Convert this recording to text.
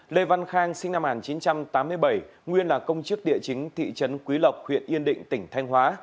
lê văn khang sinh năm một nghìn chín trăm tám mươi bảy nguyên là công chức địa chính thị trấn quý lộc huyện yên định tỉnh thanh hóa